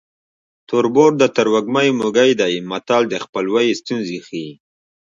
تربور د ترږمې موږی دی متل د خپلوۍ ستونزې ښيي